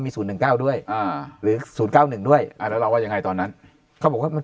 มี๐๑๙ด้วยหรือ๐๙๑ด้วยอ่ะแล้วว่ายังไงตอนนั้นเขาบอกว่ามัน